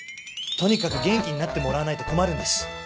とにかく元気になってもらわないと困るんです。